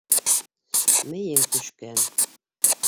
Мейең төшкән.